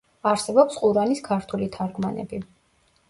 არსებობს ყურანის ქართული თარგმანები.